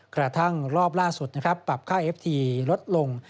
กระทั่งรอบล่าสุดนะครับปรับค่าเอฟทีลดลง